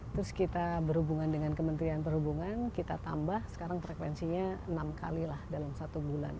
terus kita berhubungan dengan kementerian perhubungan kita tambah sekarang frekuensinya enam kali lah dalam satu bulan